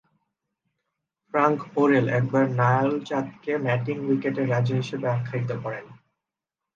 Frank Worrell একবার নায়লচাঁদকে matting উইকেটের রাজা হিসেবে আখ্যায়িত করেন।